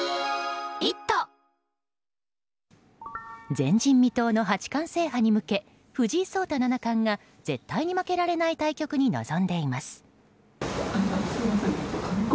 前人未到の八冠制覇に向け藤井聡太七冠が絶対に負けられない対局に臨んでいます。